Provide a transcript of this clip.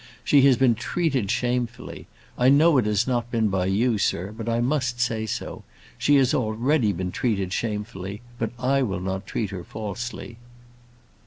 She has been treated shamefully. I know it has not been by you, sir; but I must say so. She has already been treated shamefully; but I will not treat her falsely."